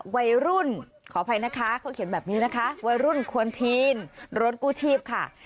ขออภัยนะคะเขาเขียนแบบนี้นะคะวัยรุ่นควรทีนรถกู้ชีพค่ะ